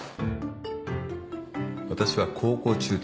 私は高校中退。